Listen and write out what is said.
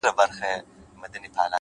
علم د فکر ځواک زیاتوي